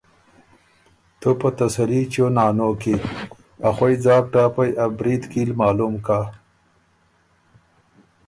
تُو په تسلي چیو نانو کی، ا خوئ ځاک ټاپئ، ا برید کیل معلوم کَۀ۔